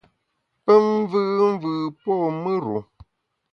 Pe mvùùmvù po mùr-u.